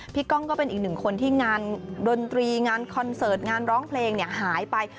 ก้องก็เป็นอีกหนึ่งคนที่งานดนตรีงานคอนเสิร์ตงานร้องเพลงหายไป